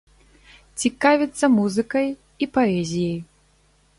Цікавіцца музыкай і паэзіяй.